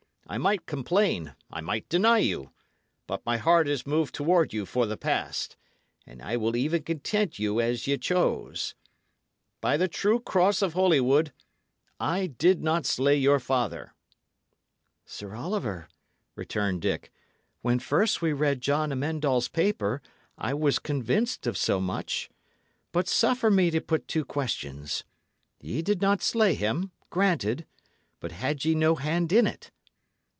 I might complain, I might deny you; but my heart is moved toward you for the past, and I will even content you as ye choose. By the true cross of Holywood, I did not slay your father." "Sir Oliver," returned Dick, "when first we read John Amend All's paper, I was convinced of so much. But suffer me to put two questions. Ye did not slay him; granted. But had ye no hand in it?"